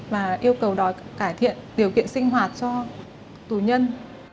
và yêu cầu cải thiện điều kiện sinh hoạt cho tù nhân